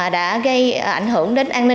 đã gây ảnh hưởng đến an ninh